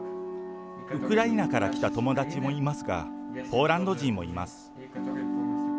ウクライナから来た友達もいますが、ポーランド人もいます。